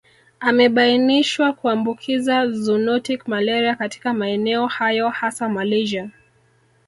Amebainishwa kuambukiza zoonotic malaria katika maeneo hayo hasa Malaysia